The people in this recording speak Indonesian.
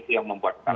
itu yang membuat